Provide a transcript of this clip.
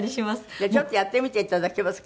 じゃあちょっとやってみていただけます？